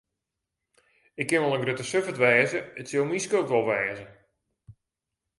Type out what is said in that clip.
Ik sil wol in grutte suffert wêze, it sil myn skuld wol wêze.